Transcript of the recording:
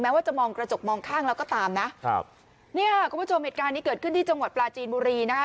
ว่าจะมองกระจกมองข้างแล้วก็ตามนะครับเนี่ยคุณผู้ชมเหตุการณ์นี้เกิดขึ้นที่จังหวัดปลาจีนบุรีนะคะ